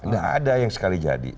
gak ada yang sekali jadi